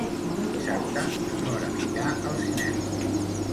Dissabte na Nora anirà al cinema.